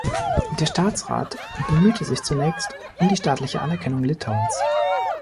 Der Staatsrat bemühte sich zunächst um die staatliche Anerkennung Litauens.